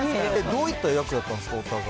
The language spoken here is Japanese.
どういった役だったんですかね。